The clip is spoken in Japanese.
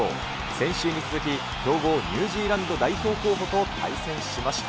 先週に続き、強豪ニュージーランド代表候補と対戦しました。